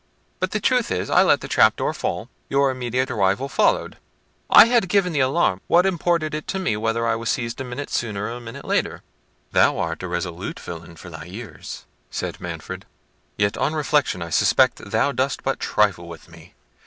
But the truth is, I let the trap door fall: your immediate arrival followed. I had given the alarm—what imported it to me whether I was seized a minute sooner or a minute later?" "Thou art a resolute villain for thy years," said Manfred; "yet on reflection I suspect thou dost but trifle with me.